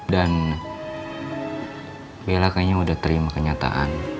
dan bella kayaknya udah terima kenyataan